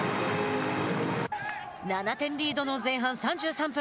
７点リードの前半３３分。